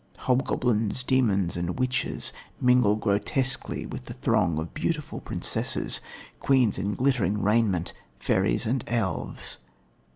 Hobgoblins, demons, and witches mingle grotesquely with the throng of beautiful princesses, queens in glittering raiment, fairies and elves.